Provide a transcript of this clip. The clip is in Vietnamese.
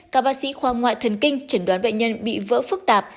các bác sĩ khoa ngoại thần kinh chẩn đoán bệnh nhân bị vỡ phức tạp